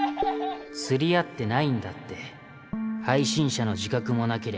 釣り合ってないんだって配信者の自覚もなけりゃ